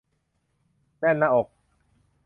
แน่นหน้าอก